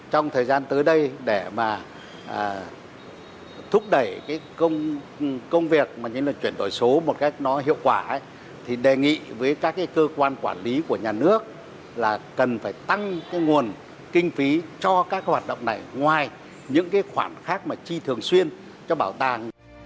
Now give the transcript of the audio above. trong thời gian tới đây để mà thúc đẩy cái công việc mà như là chuyển đổi số một cách nó hiệu quả thì đề nghị với các cơ quan quản lý của nhà nước là cần phải tăng cái nguồn kinh phí cho các hoạt động này ngoài những khoản khác mà chi thường xuyên cho bảo tàng